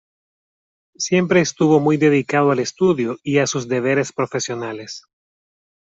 Siempre estuvo muy dedicado al estudio y a sus deberes profesionales.